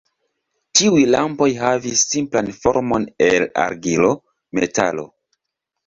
Tiuj lampoj havis simplan formon el argilo, metalo.